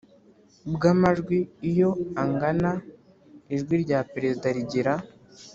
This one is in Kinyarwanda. bw amajwi Iyo angana ijwi rya Perezida rigira